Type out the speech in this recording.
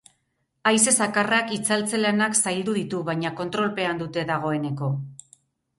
Haize zakarrak itzaltze lanak zaildu ditu, baina kontrolpean dute dagoeneko.